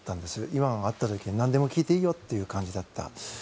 イバンさんに会った時なにでも聞いていいよという感じだった。